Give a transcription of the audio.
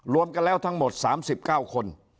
รวมกันทั้งหมด๓๙คน